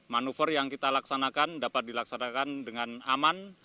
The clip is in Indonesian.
manuver yang kita laksanakan dapat dilaksanakan dengan aman